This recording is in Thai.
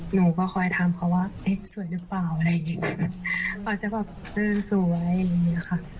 หนูก็คอยถามเขาว่าเอ๊ะสวยหรือเปล่าอะไรอย่างเงี้ยแบบเขาจะแบบเออสวยอะไรอย่างเงี้ยค่ะ